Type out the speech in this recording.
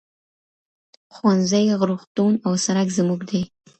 ښوونځی، روغتون او سرک زموږ دي.